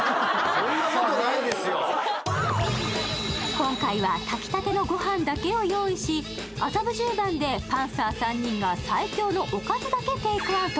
今回は炊きたての御飯だけを用意し、麻布十番でパンサーさんには最強のおかずだけテイクアウト。